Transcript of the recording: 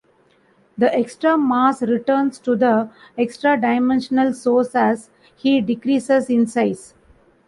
The extra mass returns to the extra-dimensional source as he decreases in size.